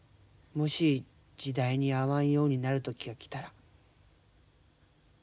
もし時代に合わんようになる時が来たら。